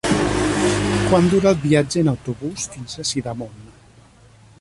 Quant dura el viatge en autobús fins a Sidamon?